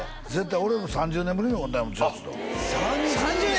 俺も３０年ぶりに会うたもん剛と３０年？